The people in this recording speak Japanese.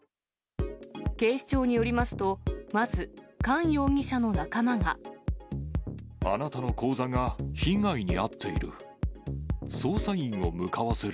警視庁によりますと、まず、あなたの口座が被害に遭っている。